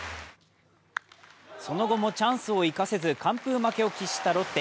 その後もチャンスを生かせず、完封負けを喫したロッテ。